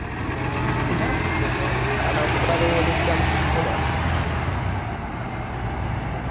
Ennaku zino abantu balowooleza mu kufuna.